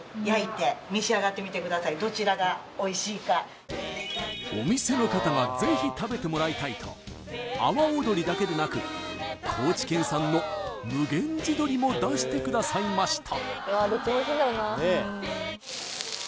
どうぞお店の方が是非食べてもらいたいと阿波尾鶏だけでなく高知県産の無玄地鶏も出してくださいました